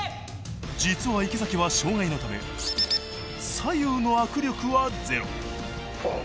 実は池崎は障害のため左右の握力はゼロ。